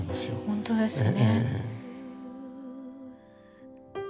本当ですね。